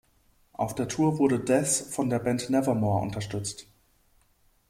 Auf der Tour wurde Death von der Band Nevermore unterstützt.